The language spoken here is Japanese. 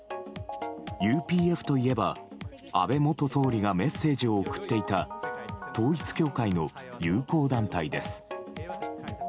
ＵＰＦといえば安倍元総理がメッセージを送っていた統一教会の友好団体です。